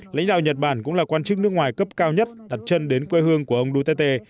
lãnh đạo nhật bản cũng là quan chức nước ngoài cấp cao nhất đặt chân đến quê hương của ông duterte